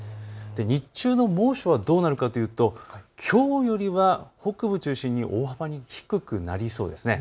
日中の猛暑はどうなるかというときょうより北部中心に大幅に低くなりそうです。